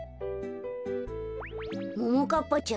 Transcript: ももかっぱちゃ